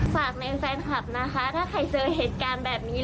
ฝากในแฟนคลับนะคะถ้าใครเจอเหตุการณ์แบบนี้